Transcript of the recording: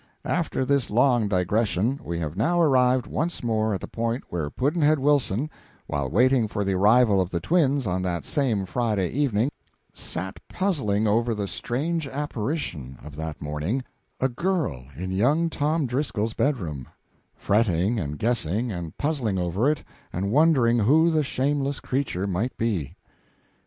After this long digression we have now arrived once more at the point where Pudd'nhead Wilson, while waiting for the arrival of the twins on that same Friday evening, sat puzzling over the strange apparition of that morning a girl in young Tom Driscoll's bedroom; fretting, and guessing, and puzzling over it, and wondering who the shameless creature might be.